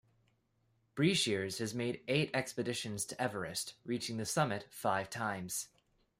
Breashears has made eight expeditions to Everest, reaching the summit five times.